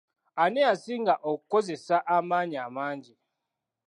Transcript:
Ani eyasinga okukozesa amaanyi amangi?